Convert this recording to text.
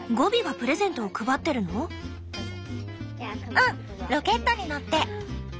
うんロケットに乗って。